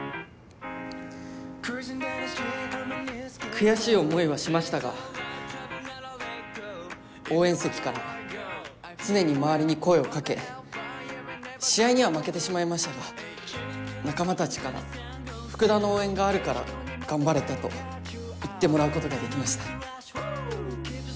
悔しい思いはしましたが応援席から常に周りに声をかけ試合には負けてしまいましたが仲間たちから福田の応援があるから頑張れたと言ってもらうことができました。